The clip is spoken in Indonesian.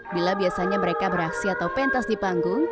bila biasanya mereka beraksi atau pentas di panggung